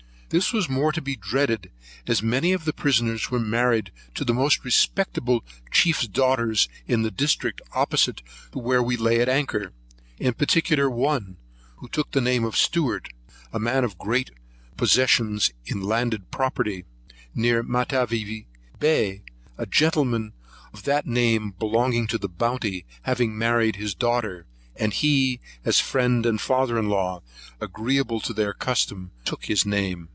This was more to be dreaded, as many of the prisoners were married to the most respectable chiefs' daughters in the district opposite to where we lay at anchor; in particular one, who took the name of Stewart, a man of great possession in landed property, near Matavy Bay: a gentleman of that name belonging to the Bounty having married his daughter, and he, as his friend and father in law, agreeable to their custom, took his name.